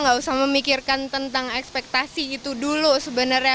gak usah memikirkan tentang ekspektasi itu dulu sebenarnya